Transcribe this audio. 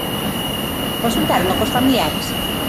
¿Consultárono cos familiares?